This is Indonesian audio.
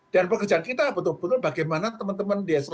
dan pekerjaan kita betul betul bagaimana teman teman di s seratus